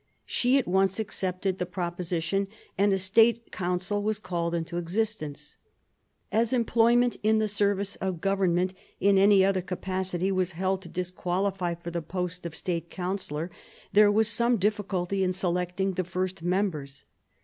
She at once accepted the proposition, and a State Council was called into existence. As employ mwil ill the "Service of Government in any other capacity was held to disqualify for the post of State Councillor, there was some difficulty in selecting the first members.